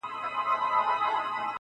حقيقت لا هم پټ دی ډېر-